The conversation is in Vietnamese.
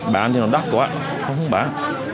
bán thì nó đắt quá không bán